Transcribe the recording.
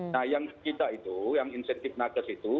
nah yang kita itu yang insentif nakes itu